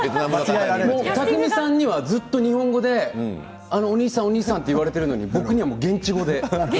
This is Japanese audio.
工さんには、ずっと日本語でお兄さんと言われているのに僕には現地語で。